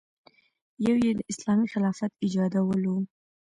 یو یې د اسلامي خلافت ایجادول و.